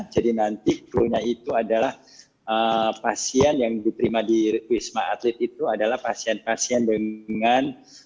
jadi nanti klunya itu adalah pasien yang diterima di wisma atlet itu adalah pasien pasien dengan